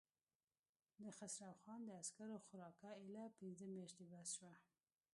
د خسرو خان د عسکرو خوراکه اېله پنځه مياشتې بس شوه.